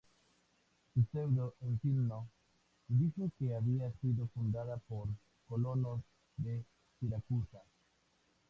Pseudo-Escimno dicen que había sido fundada por colonos de Siracusa.